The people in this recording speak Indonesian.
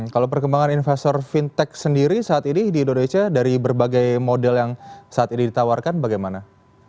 kalau perkembangan investor fintech sendiri saat ini di indonesia dari berbagai model yang saat ini ditawarkan bagaimana